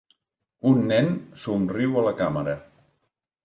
Un nen somriu a la càmera.